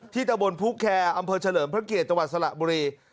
ที่ตะบนพุคแคร์อำเภอเฉลิมพระเกียรตรวจสละบุรี